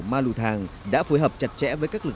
ma lù thàng đã phối hợp chặt chẽ